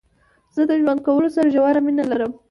زه د ژوند کولو سره ژوره مينه لرم.